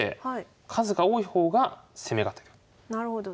なるほど。